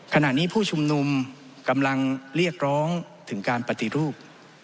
ขณะนี้ผู้ชุมนุมกำลังเรียกร้องถึงการปฏิรูป